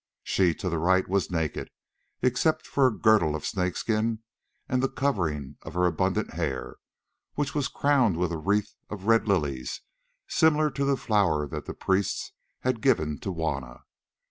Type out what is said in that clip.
She to the right was naked except for a girdle of snake skin and the covering of her abundant hair, which was crowned with a wreath of red lilies similar to the flower that the priests had given to Juanna.